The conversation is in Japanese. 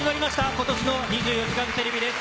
ことしの『２４時間テレビ』です。